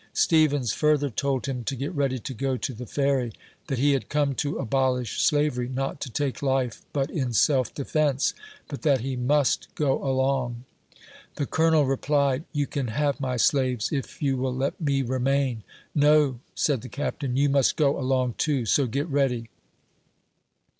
Stevens further told him to get ready to go to the Ferry ; that he had come to abolish slavery, not to take life but in self defence, but that he must go along. The Colonel replied :" You can have my slaves, if you will let me remain." " No," said the Captain, " you must go along too ; so get ready."